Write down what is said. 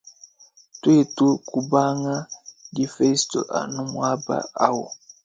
Twetu kubanga difesto anu mwaba awu.